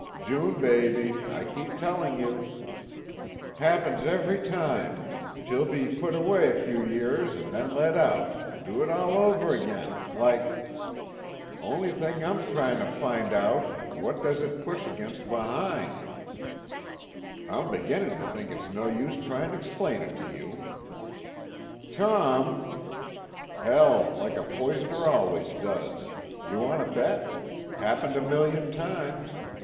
"June baby, I keep telling you " "Happens every time. She'll be put away a few years, and then let out, do it all over again, like " "Only thing I'm try'n'a find out, what does it push against behind?" "I'm beginning to think it's no use try'n'a explain it to you." "Tom!" "Hell, like a poisoner always does! You want to bet? Happened a million times.